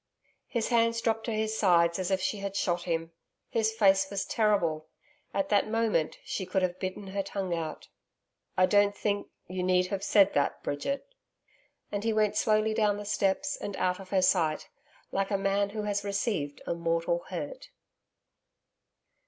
His hands dropped to his sides as if she had shot him. His face was terrible. At that moment, she could have bitten her tongue out. 'I don't think you need have said that, Bridget,' and he went slowly down the steps, and out of her sight like a man who has received a mortal hurt.